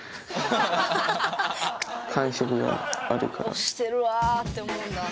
押してるわって思うんだ。